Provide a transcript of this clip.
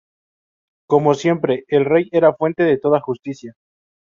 Como siempre, el rey era fuente de toda justicia.